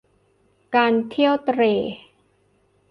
การเที่ยวเตร่